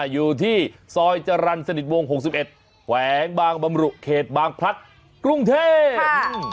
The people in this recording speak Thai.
อยู่ที่ซอยจรรย์สนิทวง๖๑แขวงบางบำรุเขตบางพลัดกรุงเทพ